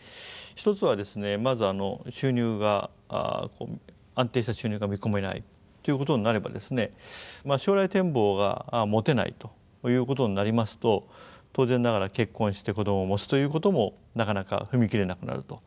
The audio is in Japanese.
一つはですねまず安定した収入が見込めないということになれば将来展望が持てないということになりますと当然ながら結婚して子どもを持つということもなかなか踏み切れなくなると。